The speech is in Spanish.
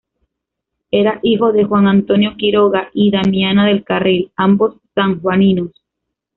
Era hijo de Juan Antonio Quiroga y Damiana del Carril, ambos sanjuaninos.